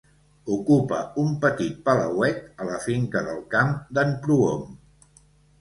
Ocupa un petit palauet a la finca del Camp d'en Prohom.